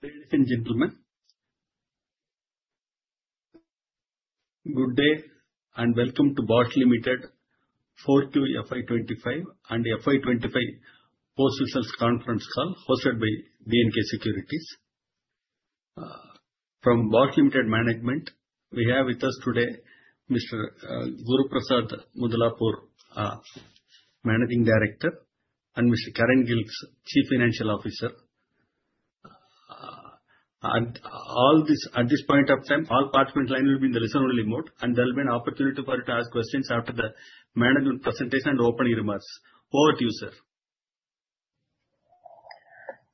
Q4 FY25 and FY25 Postal Sales Conference call hosted by B&K Securities. From Bosch Limited Management, we have with us today Mr. Guruprasad Mudlapur, Managing Director, and Ms. Karin Gilges, Chief Financial Officer. At this point of time, all participant lines will be in the listen-only mode, and there will be an opportunity for you to ask questions after the management presentation and opening remarks. Over to you, sir.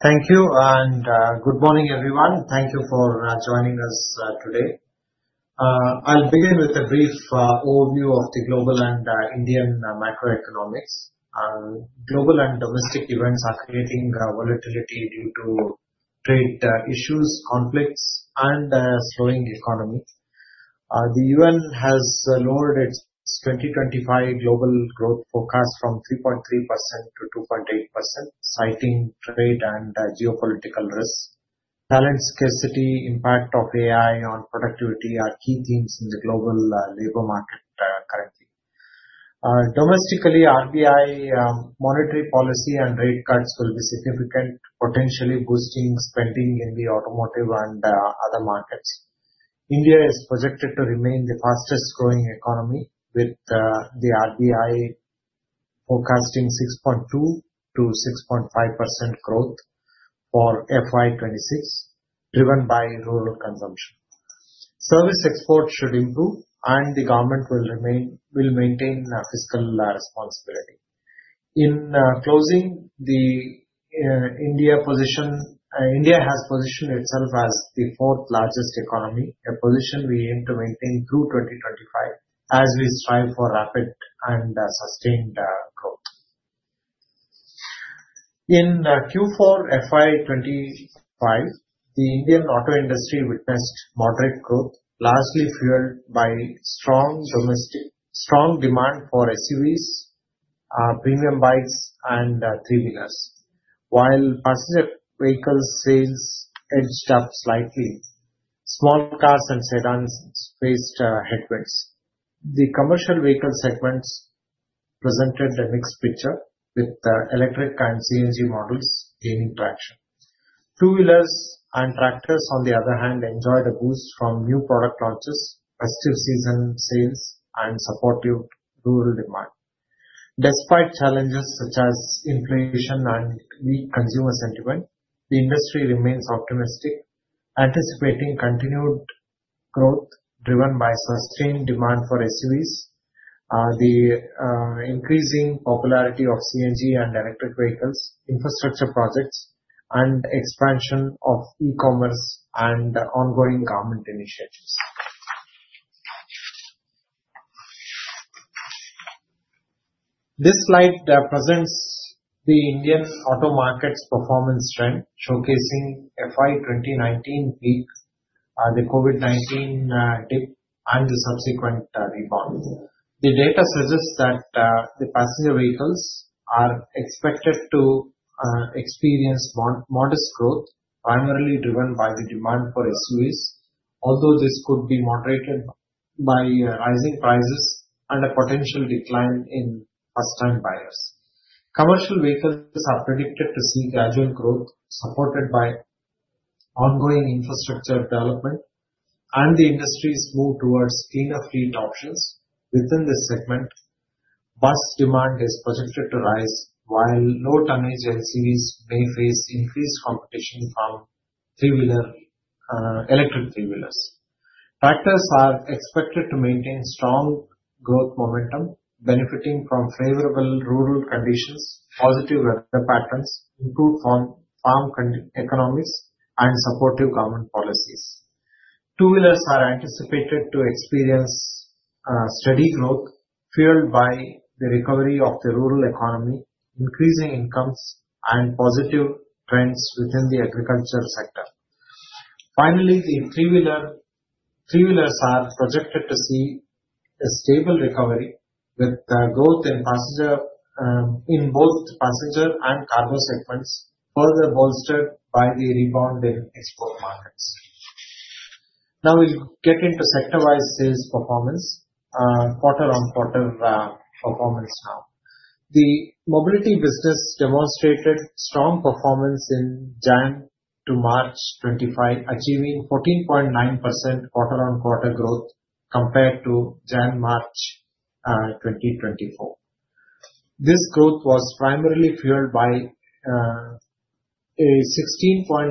Thank you, and good morning, everyone. Thank you for joining us today. I'll begin with a brief overview of the global and Indian macroeconomics. Global and domestic events are creating volatility due to trade issues, conflicts, and a slowing economy. The UN has lowered its 2025 global growth forecast from 3.3% to 2.8%, citing trade and geopolitical risks. Talent scarcity, impact of AI on productivity are key themes in the global labor market currently. Domestically, RBI monetary policy and rate cuts will be significant, potentially boosting spending in the automotive and other markets. India is projected to remain the fastest-growing economy, with the RBI forecasting 6.2%-6.5% growth for FY2026, driven by rural consumption. Service exports should improve, and the government will maintain fiscal responsibility. In closing, India has positioned itself as the fourth-largest economy, a position we aim to maintain through 2025 as we strive for rapid and sustained growth. In Q4 FY2025, the Indian auto industry witnessed moderate growth, largely fueled by strong demand for SUVs, premium bikes, and three-wheelers, while passenger vehicle sales edged up slightly. Small cars and sedans faced headwinds. The commercial vehicle segments presented a mixed picture, with electric and CNG models gaining traction. Two-wheelers and tractors, on the other hand, enjoyed a boost from new product launches, festive season sales, and supportive rural demand. Despite challenges such as inflation and weak consumer sentiment, the industry remains optimistic, anticipating continued growth driven by sustained demand for SUVs, the increasing popularity of CNG and electric vehicles, infrastructure projects, and expansion of e-commerce and ongoing government initiatives. This slide presents the Indian auto market's performance trend, showcasing FY2019 peak, the COVID-19 dip, and the subsequent rebound. The data suggests that the passenger vehicles are expected to experience modest growth, primarily driven by the demand for SUVs, although this could be moderated by rising prices and a potential decline in first-time buyers. Commercial vehicles are predicted to see gradual growth, supported by ongoing infrastructure development, and the industry's move towards cleaner fleet options. Within this segment, bus demand is projected to rise, while low-tonnage LCVs may face increased competition from electric three-wheelers. Tractors are expected to maintain strong growth momentum, benefiting from favorable rural conditions, positive weather patterns, improved farm economics, and supportive government policies. Two-wheelers are anticipated to experience steady growth, fueled by the recovery of the rural economy, increasing incomes, and positive trends within the agriculture sector. Finally, three-wheelers are projected to see a stable recovery, with growth in both passenger and cargo segments further bolstered by the rebound in export markets. Now we'll get into sector-wise sales performance, quarter-on-quarter performance now. The mobility business demonstrated strong performance in January to March 2025, achieving 14.9% quarter-on-quarter growth compared to January-March 2024. This growth was primarily fueled by a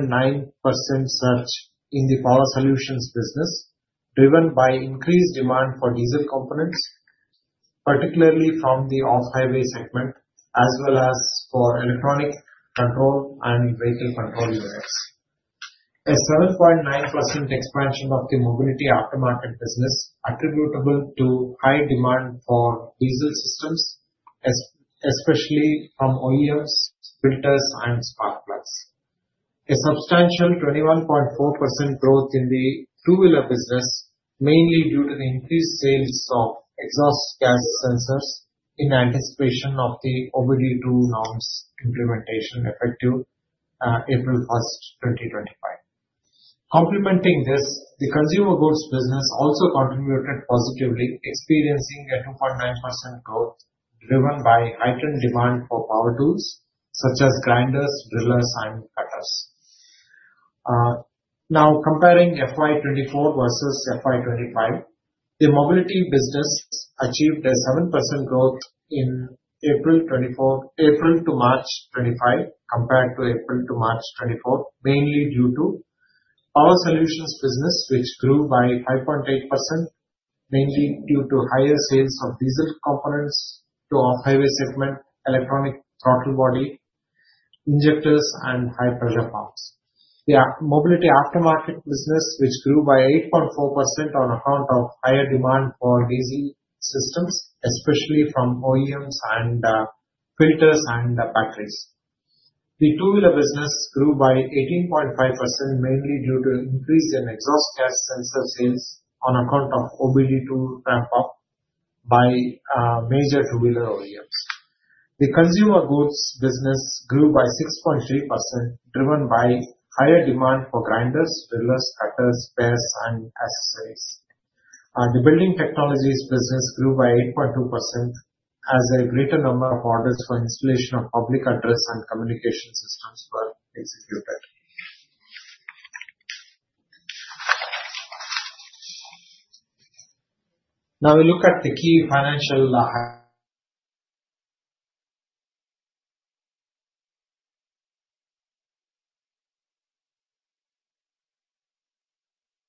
16.9% surge in the power solutions business, driven by increased demand for diesel components, particularly from the off-highway segment, as well as for electronic control and vehicle control units. A 7.9% expansion of the mobility aftermarket business, attributable to high demand for diesel systems, especially from OEMs, filters, and spark plugs. A substantial 21.4% growth in the two-wheeler business, mainly due to the increased sales of exhaust gas sensors in anticipation of the OBD2 norms implementation effective April 1, 2025. Complementing this, the consumer goods business also contributed positively, experiencing a 2.9% growth driven by heightened demand for power tools such as grinders, drillers, and cutters. Now, comparing FY2024 versus FY2025, the mobility business achieved a 7% growth in April to March 2025 compared to April to March 2024, mainly due to power solutions business, which grew by 5.8%, mainly due to higher sales of diesel components to off-highway segment, electronic throttle body, injectors, and high-pressure pumps. The mobility aftermarket business, which grew by 8.4% on account of higher demand for diesel systems, especially from OEMs and filters and batteries. The two-wheeler business grew by 18.5%, mainly due to increase in exhaust gas sensor sales on account of OBD2 ramp-up by major two-wheeler OEMs. The consumer goods business grew by 6.3%, driven by higher demand for grinders, drillers, cutters, pairs, and accessories. The building technologies business grew by 8.2% as a greater number of orders for installation of public address and communication systems were executed. Now we look at the key financial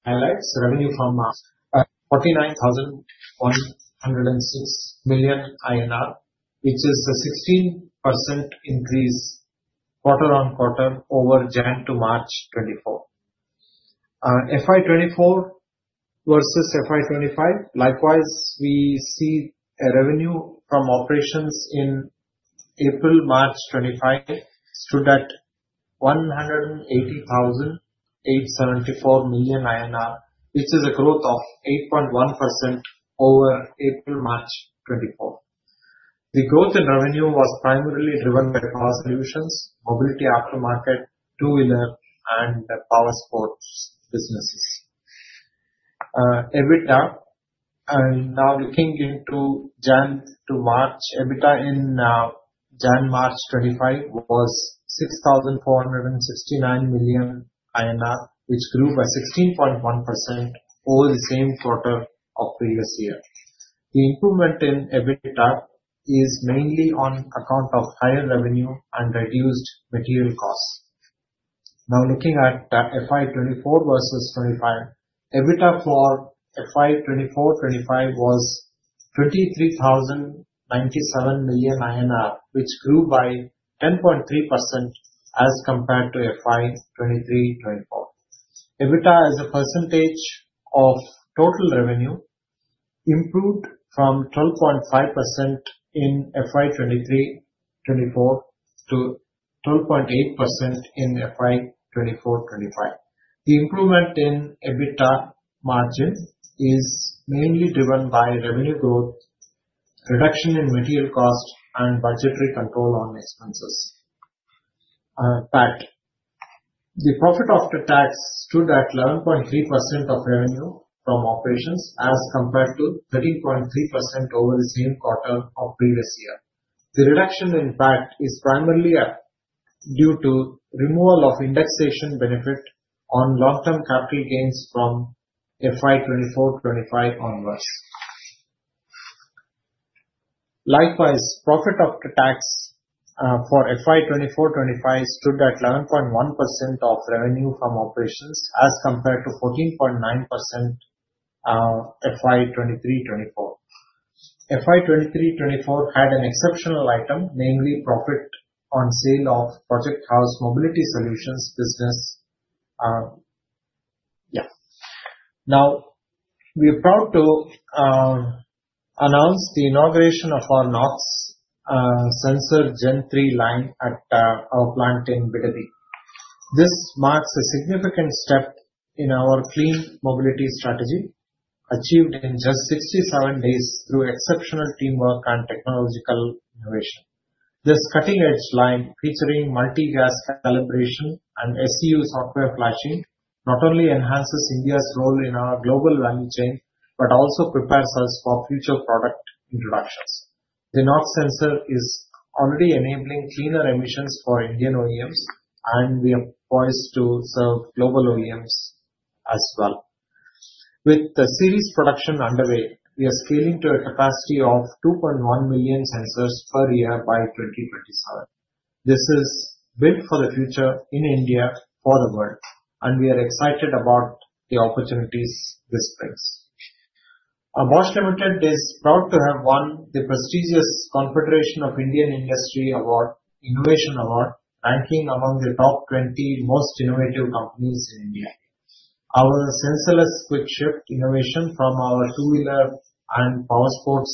highlights. Revenue from 49,106 million INR, which is a 16% increase quarter-on-quarter over January to March 2024. FY24 versus FY25, likewise, we see revenue from operations in April-March 2025 stood at INR 180,874 million, which is a growth of 8.1% over April-March 2024. The growth in revenue was primarily driven by power solutions, mobility aftermarket, two-wheeler, and power sports businesses. EBITDA, now looking into January-March, EBITDA in January-March 2025 was 6,469 million INR, which grew by 16.1% over the same quarter of previous year. The improvement in EBITDA is mainly on account of higher revenue and reduced material costs. Now looking at FY 2024 versus 2025, EBITDA for FY 2024-2025 was 23,097 million INR, which grew by 10.3% as compared to FY 2023-2024. EBITDA as a percentage of total revenue improved from 12.5% in FY 2023-2024 to 12.8% in FY 2024-2025. The improvement in EBITDA margin is mainly driven by revenue growth, reduction in material cost, and budgetary control on expenses. PAT. The profit after tax stood at 11.3% of revenue from operations as compared to 13.3% over the same quarter of previous year. The reduction in PAT is primarily due to removal of indexation benefit on long-term capital gains from FY 2024-2025 onwards. Likewise, profit after tax for FY 2024-2025 stood at 11.1% of revenue from operations as compared to 14.9% in FY 2023-2024. FY 2023-2024 had an exceptional item, namely profit on sale of Project House Mobility Solutions business. Yeah. Now, we're proud to announce the inauguration of our Knox Sensor Gen3 line at our plant in Bidadi. This marks a significant step in our clean mobility strategy, achieved in just 67 days through exceptional teamwork and technological innovation. This cutting-edge line, featuring multi-gas calibration and SCU software flashing, not only enhances India's role in our global value chain, but also prepares us for future product introductions. The Knox Sensor is already enabling cleaner emissions for Indian OEMs, and we are poised to serve global OEMs as well. With the series production underway, we are scaling to a capacity of 2.1 million sensors per year by 2027. This is built for the future in India, for the world, and we are excited about the opportunities this brings. Bosch Soumitra Bhattacharya is proud to have won the prestigious Confederation of Indian Industry Innovation Award, ranking among the top 20 most innovative companies in India. Our senseless quick shift innovation from our two-wheeler and power sports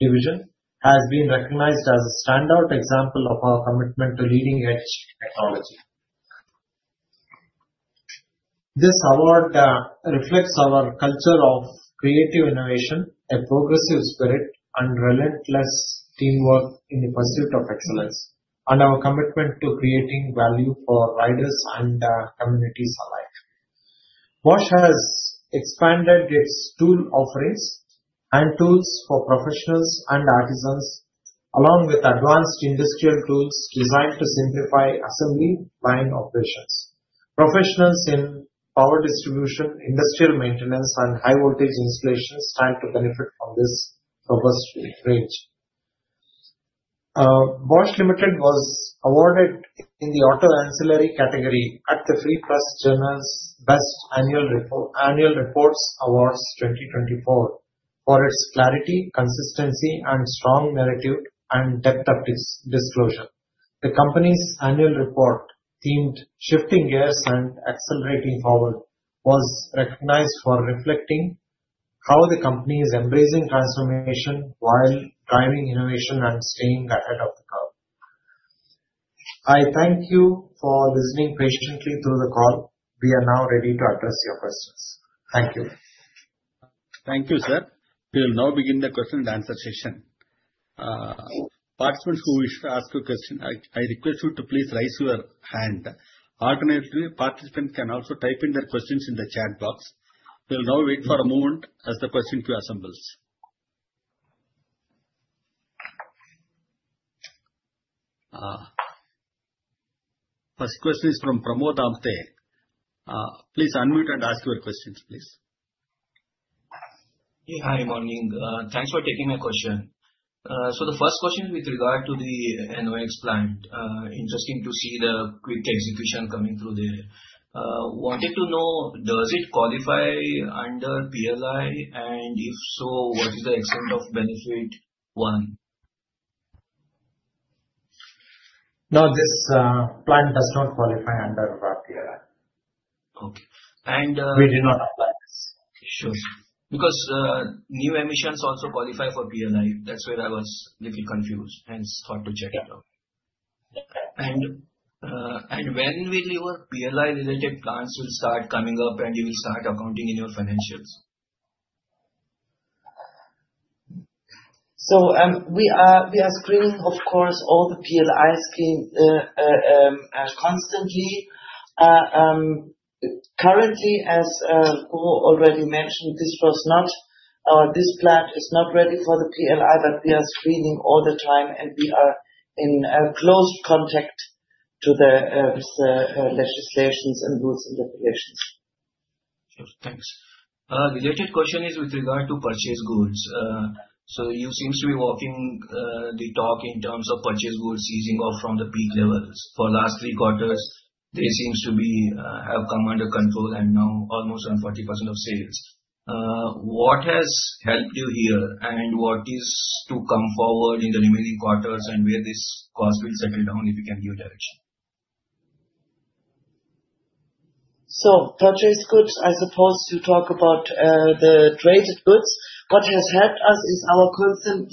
division has been recognized as a standout example of our commitment to leading-edge technology. This award reflects our culture of creative innovation, a progressive spirit, and relentless teamwork in the pursuit of excellence, and our commitment to creating value for riders and communities alike. Bosch has expanded its tool offerings and tools for professionals and artisans, along with advanced industrial tools designed to simplify assembly line operations. Professionals in power distribution, industrial maintenance, and high-voltage installations stand to benefit from this robust range. Bosch Soumitra was awarded in the Auto Ancillary category at the Free Press Journal's Best Annual Reports Awards 2024 for its clarity, consistency, and strong narrative and depth of disclosure. The company's annual report, themed "Shifting Gears and Accelerating Forward," was recognized for reflecting how the company is embracing transformation while driving innovation and staying ahead of the curve. I thank you for listening patiently through the call. We are now ready to address your questions. Thank you. Thank you, sir. We will now begin the question and answer session. Participants who wish to ask a question, I request you to please raise your hand. Alternatively, participants can also type in their questions in the chat box. We will now wait for a moment as the question queue assembles. First question is from Pramod Amte. Please unmute and ask your questions, please. Hey, hi, morning. Thanks for taking my question. The first question is with regard to the NOx plant. Interesting to see the quick execution coming through there. Wanted to know, does it qualify under PLI, and if so, what is the extent of benefit one? No, this plant does not qualify under PLI. Okay. And we did not apply this. Sure. Because new emissions also qualify for PLI. That's where I was a little confused. Hence, thought to check it out. When will your PLI-related plans start coming up, and you will start accounting in your financials? We are screening, of course, all the PLIs constantly. Currently, as Ko already mentioned, this plant is not ready for the PLI, but we are screening all the time, and we are in close contact with the legislations and rules and regulations. Sure, thanks. Related question is with regard to purchase goods. You seem to be walking the talk in terms of purchase goods easing off from the peak levels. For the last three quarters, they seem to have come under control and now almost on 40% of sales. What has helped you here, and what is to come forward in the remaining quarters, and where this cost will settle down if you can give direction? Purchase goods, I suppose to talk about the traded goods. What has helped us is our constant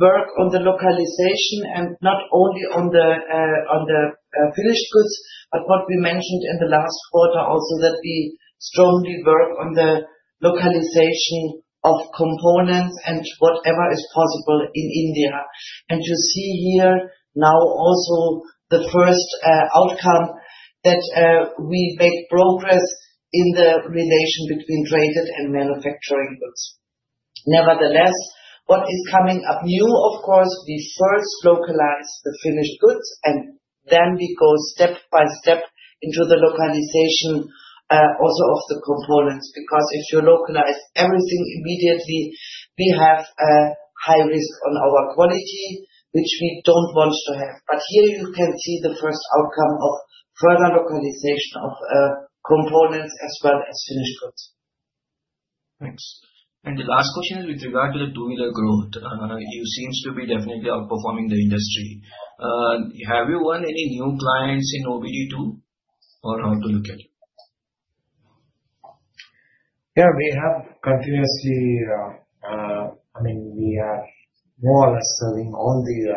work on the localization, and not only on the finished goods, but what we mentioned in the last quarter also that we strongly work on the localization of components and whatever is possible in India. You see here now also the first outcome that we make progress in the relation between traded and manufacturing goods. Nevertheless, what is coming up new, of course, we first localize the finished goods, and then we go step by step into the localization also of the components. Because if you localize everything immediately, we have a high risk on our quality, which we do not want to have. Here you can see the first outcome of further localization of components as well as finished goods. Thanks. The last question is with regard to the two-wheeler growth. You seem to be definitely outperforming the industry. Have you earned any new clients in OBD2, or how to look at it? Yeah, we have continuously, I mean, we are more or less serving all the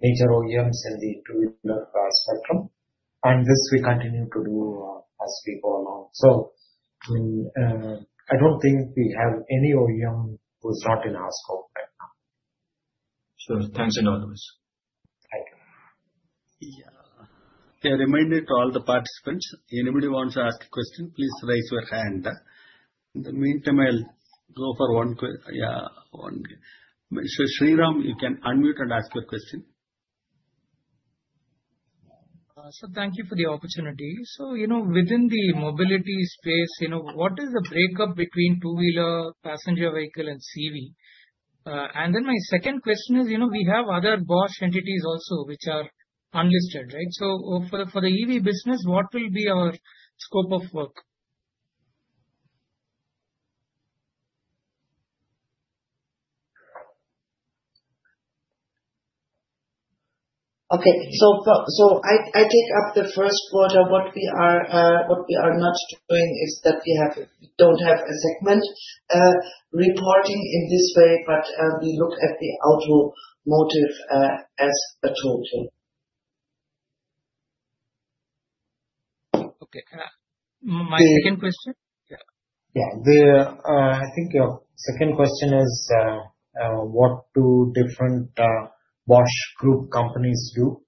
major OEMs in the two-wheeler spectrum. This we continue to do as we go along. I do not think we have any OEM who is not in our scope right now. Sure. Thanks in all the ways. Thank you. Yeah. Okay, I remind all the participants. Anybody wants to ask a question, please raise your hand. In the meantime, I'll go for one question. Yeah, one. Shriram, you can unmute and ask your question. Thank you for the opportunity. Within the mobility space, what is the breakup between two-wheeler, passenger vehicle, and CV?. My second question is, we have other Bosch entities also which are unlisted, right?. For the EV business, what will be our scope of work?. Okay. I take up the first quarter. What we are not doing is that we don't have a segment reporting in this way, but we look at the automotive as a total. My second question?. Yeah. I think your second question is, what do different Bosch Group companies do?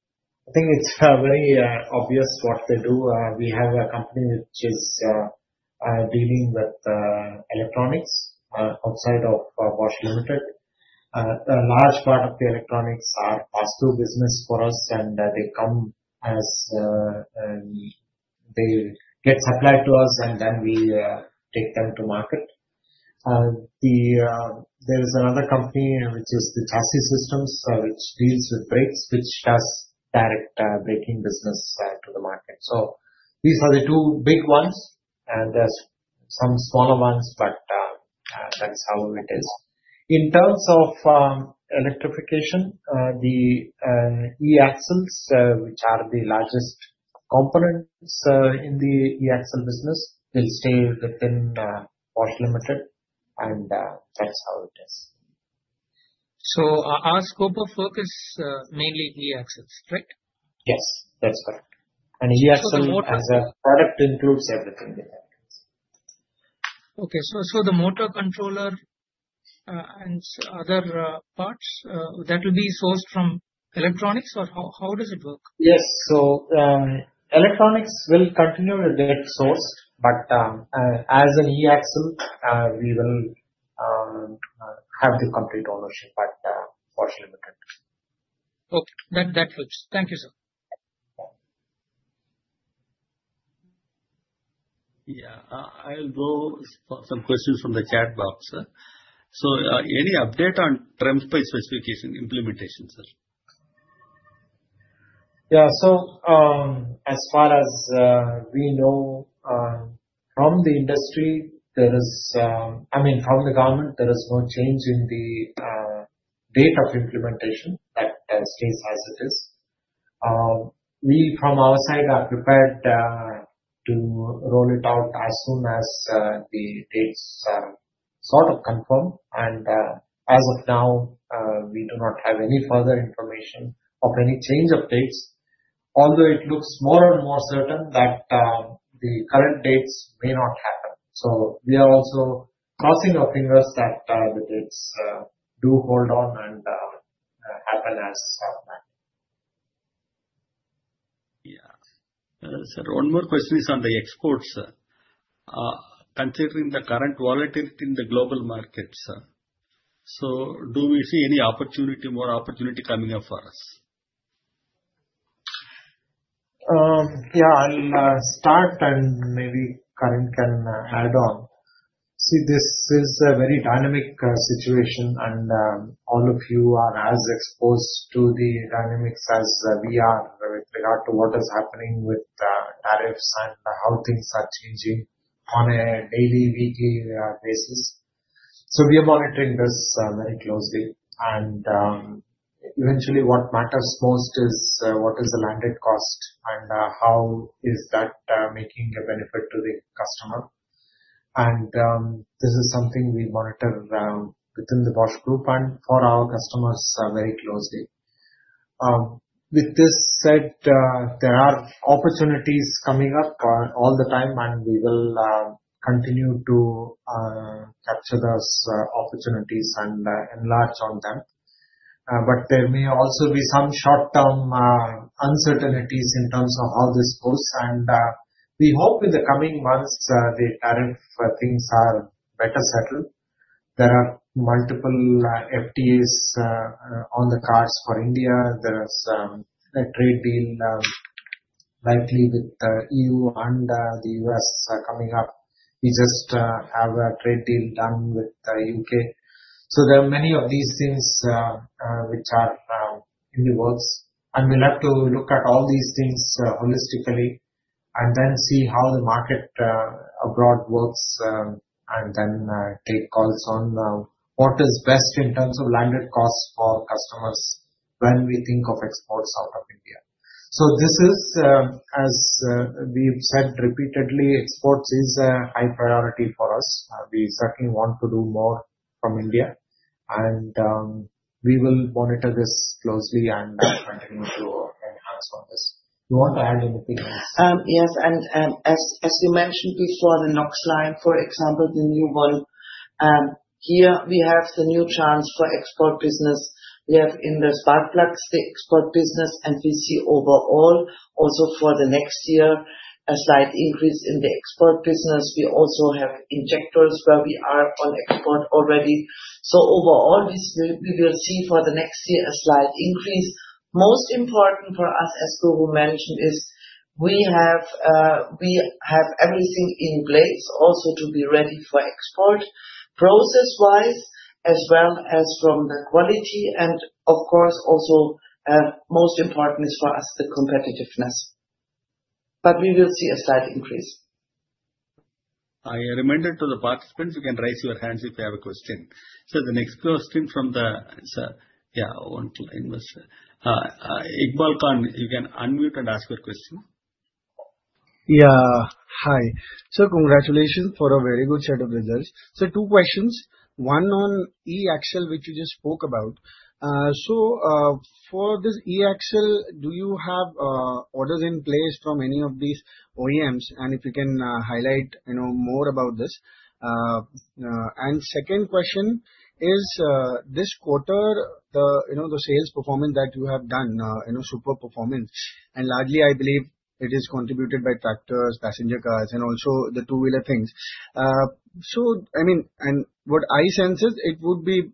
I think it's very obvious what they do. We have a company which is dealing with electronics outside of Bosch Limited. A large part of the electronics are pass-through business for us, and they come as they get supplied to us, and then we take them to market. There is another company which is the Chassis Systems, which deals with brakes, which does direct braking business to the market. These are the two big ones, and there's some smaller ones, but that's how it is. In terms of electrification, the e-axles, which are the largest components in the e-axle business, will stay within Bosch Limited, and that's how it is. Our scope of work is mainly e-axles, right?. Yes, that's correct. And e-axle as a product includes everything with e-axles. Okay. The motor controller and other parts, that will be sourced from electronics, or how does it work? Yes. Electronics will continue to get sourced, but as an e-axle, we will have the complete ownership at Bosch Limited. Okay. That helps. Thank you, sir. Yeah. I'll go for some questions from the chat box. Any update on trend-based specification implementation, sir?. Yeah. As far as we know from the industry, there is, I mean, from the government, there is no change in the date of implementation. That stays as it is. We, from our side, are prepared to roll it out as soon as the dates are sort of confirmed. As of now, we do not have any further information of any change of dates, although it looks more and more certain that the current dates may not happen. We are also crossing our fingers that the dates do hold on and happen as planned. Yeah. One more question is on the exports, sir. Considering the current volatility in the global markets, sir, do we see any opportunity, more opportunity coming up for us?. Yeah. I'll start, and maybe Karin can add on. This is a very dynamic situation, and all of you are as exposed to the dynamics as we are with regard to what is happening with tariffs and how things are changing on a daily, weekly basis. We are monitoring this very closely. Eventually, what matters most is what is the landed cost, and how is that making a benefit to the customer?. This is something we monitor within the Bosch Group and for our customers very closely. With this said, there are opportunities coming up all the time, and we will continue to capture those opportunities and enlarge on them. There may also be some short-term uncertainties in terms of how this goes. We hope in the coming months the tariff things are better settled. There are multiple FTAs on the cards for India. There is a trade deal likely with the EU and the U.S. coming up. We just have a trade deal done with the U.K. There are many of these things which are in the works. We will have to look at all these things holistically and then see how the market abroad works, and then take calls on what is best in terms of landed costs for customers when we think of exports out of India. This is, as we've said repeatedly, exports is a high priority for us. We certainly want to do more from India, and we will monitor this closely and continue to enhance on this. Do you want to add anything else?. Yes. As you mentioned before, the NOx line, for example, the new one, here we have the new chance for export business. We have in the spark plugs the export business, and we see overall also for the next year a slight increase in the export business. We also have injectors where we are on export already. Overall, we will see for the next year a slight increase. Most important for us, as Ko mentioned, is we have everything in place also to be ready for export process-wise as well as from the quality. Of course, also most important is for us the competitiveness. We will see a slight increase. I remind the participants, you can raise your hands if you have a question. The next question from the line, Mr. Iqbal Khan, you can unmute and ask your question. Yeah. Hi. Congratulations for a very good set of results. Two questions. One on e-axle, which you just spoke about. For this e-axle, do you have orders in place from any of these OEMs?. If you can highlight more about this. Second question is, this quarter, the sales performance that you have done, super performance. Largely, I believe it is contributed by tractors, passenger cars, and also the two-wheeler things. I mean, what I sense is it would be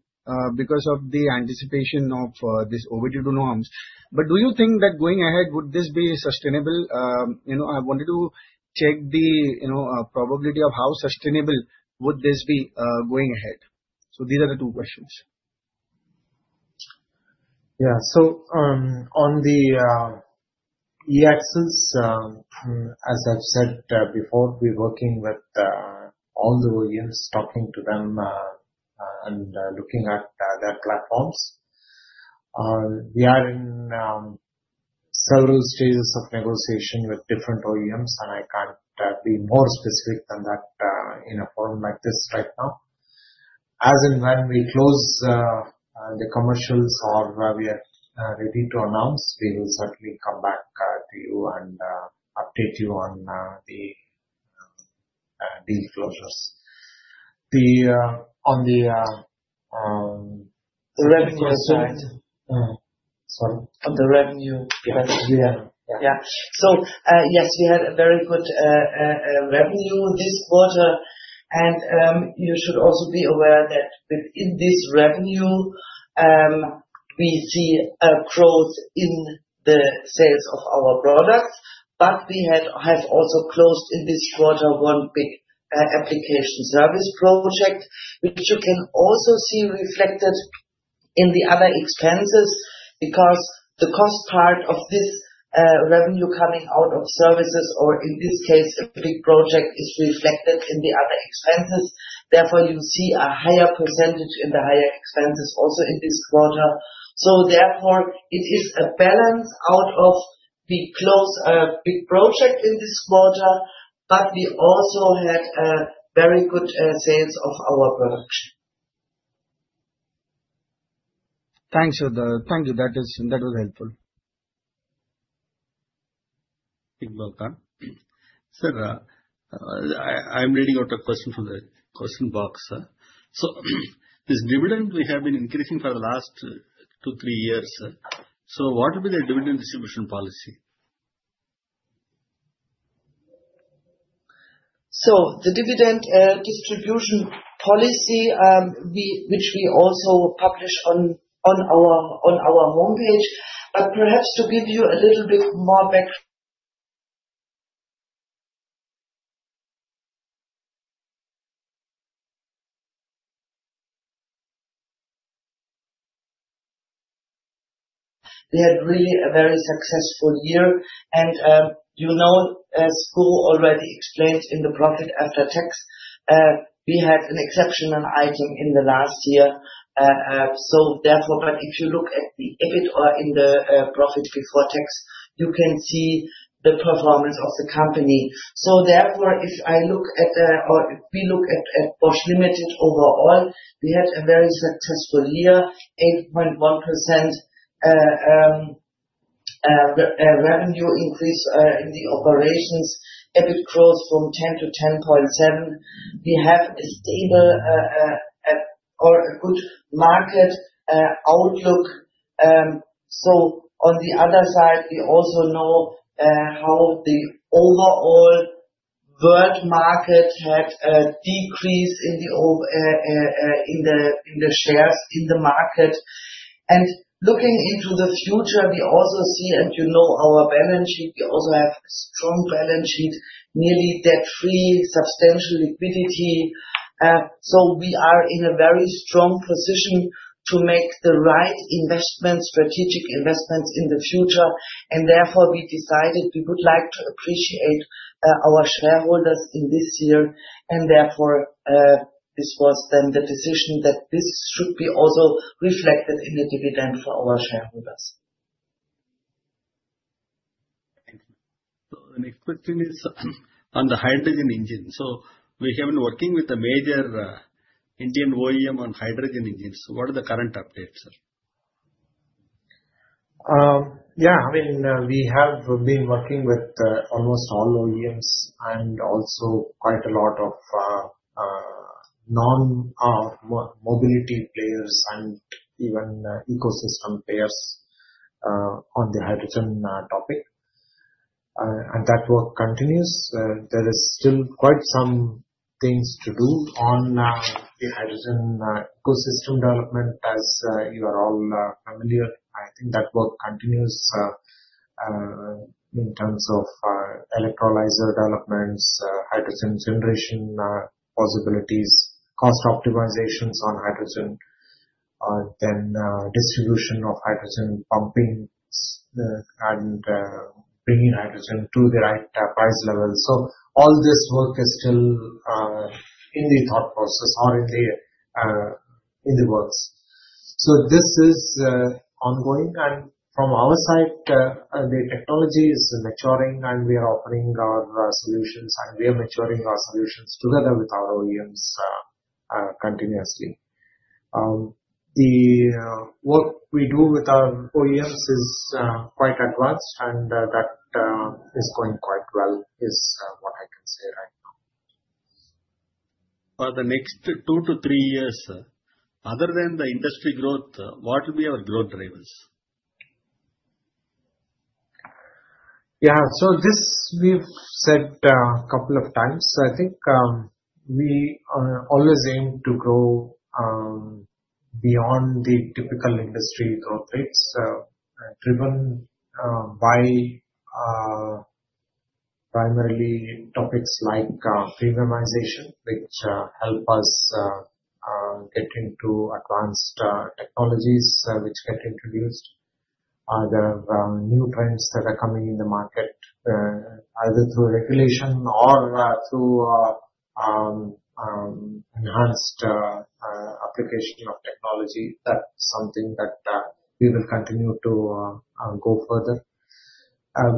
because of the anticipation of this OBD2 norms. Do you think that going ahead, would this be sustainable?. I wanted to check the probability of how sustainable would this be going ahead. These are the two questions. Yeah. On the e-axles, as I've said before, we're working with all the OEMs, talking to them and looking at their platforms. We are in several stages of negotiation with different OEMs, and I can't be more specific than that in a forum like this right now. As and when we close the commercials or we are ready to announce, we will certainly come back to you and update you on the deal closures. The revenue side. Sorry. On the revenue side. Yeah. Yeah. Yes, we had a very good revenue this quarter. You should also be aware that within this revenue, we see a growth in the sales of our products. We have also closed in this quarter one big application service project, which you can also see reflected in the other expenses because the cost part of this revenue coming out of services, or in this case, a big project is reflected in the other expenses. Therefore, you see a higher percentage in the other expenses also in this quarter. It is a balance out of the closed big project in this quarter, but we also had a very good sales of our production. Thank you. That was helpful. Iqbal Khan. Sir, I'm reading out a question from the question box. This dividend, we have been increasing for the last two, three years. What will be the dividend distribution policy?. The dividend distribution policy, which we also publish on our homepage. Perhaps to give you a little bit more back. We had really a very successful year. As Ko already explained in the profit after tax, we had an exceptional item in the last year. Therefore, if you look at the EBIT or in the profit before tax, you can see the performance of the company. Therefore, if I look at or if we look at Bosch Limited overall, we had a very successful year, 8.1% revenue increase in the operations, EBIT growth from 10 to 10.7. We have a stable or a good market outlook. On the other side, we also know how the overall world market had a decrease in the shares in the market. Looking into the future, we also see, and you know our balance sheet, we also have a strong balance sheet, nearly debt-free, substantial liquidity. We are in a very strong position to make the right investments, strategic investments in the future. Therefore, we decided we would like to appreciate our shareholders in this year. Therefore, this was then the decision that this should be also reflected in the dividend for our shareholders. Thank you. The next question is on the hydrogen engine. We have been working with a major Indian OEM on hydrogen engines. What are the current updates, sir?. Yeah. I mean, we have been working with almost all OEMs and also quite a lot of non-mobility players and even ecosystem players on the hydrogen topic. That work continues. There is still quite some things to do on the hydrogen ecosystem development, as you are all familiar. I think that work continues in terms of electrolyzer developments, hydrogen generation possibilities, cost optimizations on hydrogen, then distribution of hydrogen pumping and bringing hydrogen to the right price level. All this work is still in the thought process or in the works. This is ongoing. From our side, the technology is maturing, and we are offering our solutions, and we are maturing our solutions together with our OEMs continuously. The work we do with our OEMs is quite advanced, and that is going quite well is what I can say right now. For the next two to three years, sir, other than the industry growth, what will be our growth drivers?. Yeah. This we have said a couple of times. I think we always aim to grow beyond the typical industry growth rates, driven by primarily topics like premiumization, which help us get into advanced technologies which get introduced. There are new trends that are coming in the market, either through regulation or through enhanced application of technology. That is something that we will continue to go further.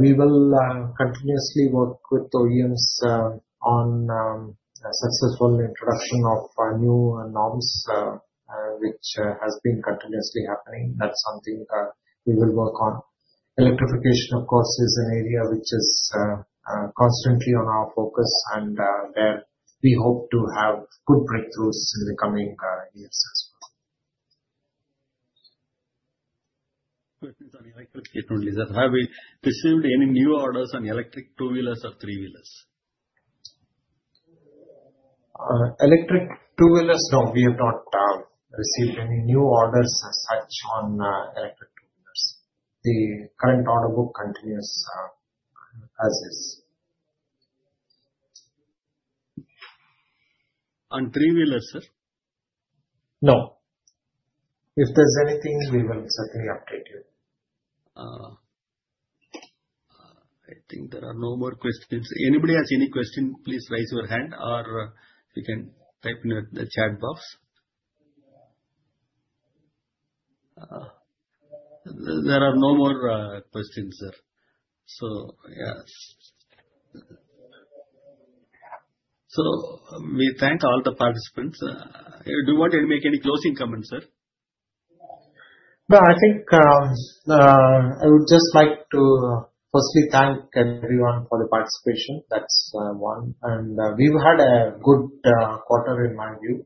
We will continuously work with OEMs on successful introduction of new norms, which has been continuously happening. That is something we will work on. Electrification, of course, is an area which is constantly on our focus, and we hope to have good breakthroughs in the coming years as well. The next question is, have we received any new orders on electric two-wheelers or three-wheelers? Electric two-wheelers, no. We have not received any new orders as such on electric two-wheelers. The current order book continues as is. On three-wheelers, sir?. No. If there's anything, we will certainly update you. I think there are no more questions. Anybody has any question, please raise your hand, or you can type in the chat box. There are no more questions, sir. Yes. We thank all the participants. Do you want to make any closing comments, sir?. No. I think I would just like to firstly thank everyone for the participation. That's one. We've had a good quarter, in my view.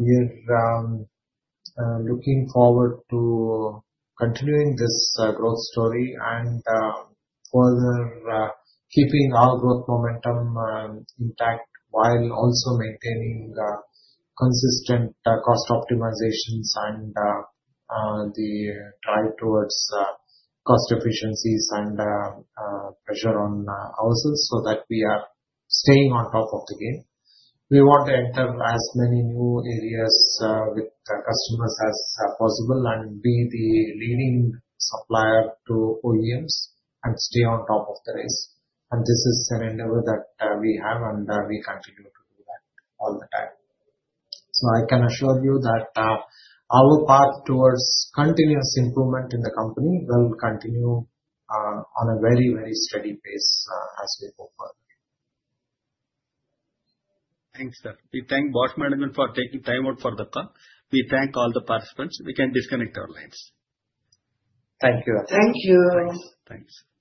We are looking forward to continuing this growth story and further keeping our growth momentum intact while also maintaining consistent cost optimizations and the drive towards cost efficiencies and pressure on ourselves so that we are staying on top of the game. We want to enter as many new areas with customers as possible and be the leading supplier to OEMs and stay on top of the race. This is an endeavor that we have, and we continue to do that all the time. I can assure you that our path towards continuous improvement in the company will continue on a very, very steady pace as we move forward. Thanks, sir. We thank Bosch Management for taking time out for the call. We thank all the participants. We can disconnect our lines. Thank you. Thank you. Thank you.